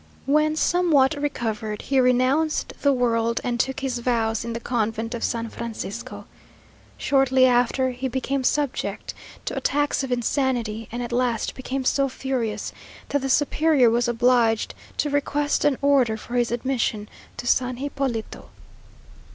When somewhat recovered, he renounced the world, and took his vows in the convent of San Francisco. Shortly after, he became subject to attacks of insanity, and at last became so furious, that the superior was obliged to request an order for his admission to San Hipólito.